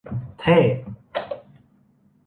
เท่